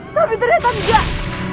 tapi ternyata enggak